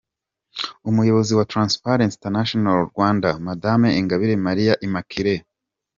Umuyobozi wa Transparency International-Rwanda, Madame Ingabire Marie Immaculee .